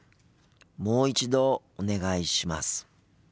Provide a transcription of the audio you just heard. もう一度お願いします。